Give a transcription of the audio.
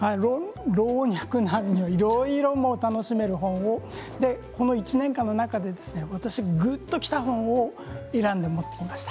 老若男女、いろいろ楽しめる本をこの１年間の中で私がぐっときた本を選んで持ってきました。